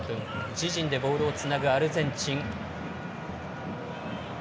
自陣でボールをつなぐアルゼンチン。